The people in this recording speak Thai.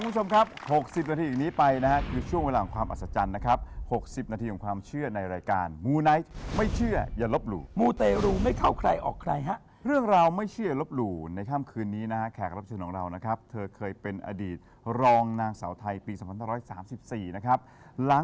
ตอนนี้ที่เธอหาเป็นผู้ชมจากได้รับตำแหน่งนะฮะ